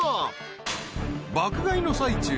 ［爆買いの最中］